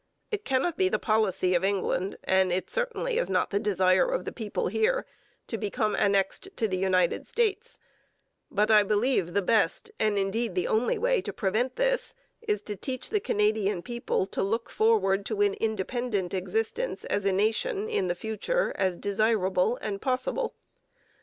It cannot be the policy of England, and is certainly not the desire of the people here, to become annexed to the United States; but I believe the best, and indeed the only way to prevent this, is to teach the Canadian people to look forward to an independent existence as a nation in the future as desirable and possible.